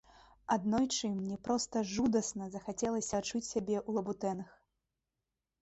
Аднойчы мне проста жудасна захацелася адчуць сябе ў лабутэнах.